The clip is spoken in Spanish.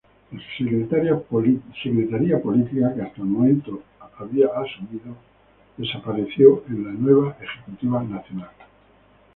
La Secretaría Política que hasta el momento asumía desapareció en la nueva ejecutiva nacional.